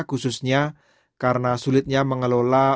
khususnya karena sulitnya mengelola